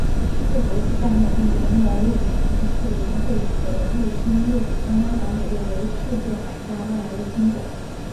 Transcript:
被国际自然保护联盟物种存续委员会的入侵物种专家小组列入世界百大外来入侵种。